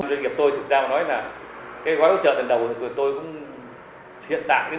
doanh nghiệp tôi thực ra nói là cái gói hỗ trợ lần đầu của tôi cũng hiện tại